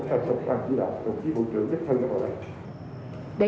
chúng ta sẵn sàng chỉ đạo cùng với bộ trưởng nhất thân các bộ đại